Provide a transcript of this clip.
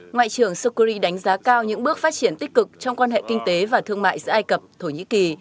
ngoại trưởng sokuri đánh giá cao những bước phát triển tích cực trong quan hệ kinh tế và thương mại giữa ai cập thổ nhĩ kỳ